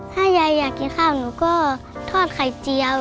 ถ้ายายอยากกินข้าวหนูก็ทอดไข่เจียว